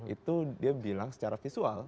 itu dia bilang secara visual